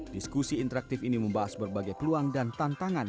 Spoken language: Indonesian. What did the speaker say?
diskusi interaktif ini membahas berbagai peluang dan tantangan